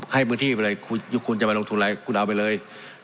ให้พื้นที่ไปเลยคุณจะมาลงทุนอะไรคุณเอาไปเลย